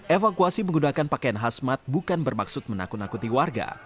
evakuasi menggunakan pakaian hasmat bukan bermaksud menakut nakuti warga